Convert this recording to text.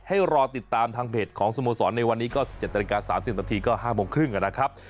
ให้รอติดตามทางเพจของสมโสรในวันนี้ก็๑๗ตร๓๐นก็๕๓๐นนะครับ